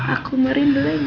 aku merindu lagi